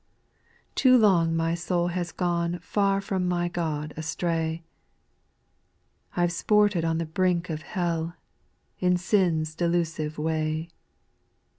3. Too long my soul has gone Far from my God astray ; I've sported on the brink of hell, In sin's delusive way.